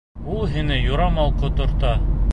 Ул һине юрамал ҡоторта!